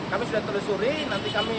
kami sudah telusuri nanti kami